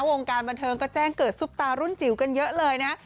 วงการบันเทิงก็แจ้งเกิดซุปตารุ่นจิ๋วกันเยอะเลยนะ